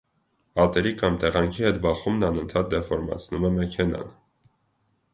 Պատերի կամ տեղանքի հետ բախումն անընդհատ դեֆորմացնում է մեքենան։